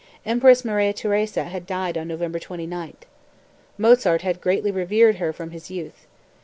Empress Maria Theresa had died on November 29. Mozart had greatly revered her from his youth.